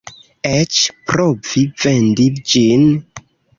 Eĉ provi vendi ĝin.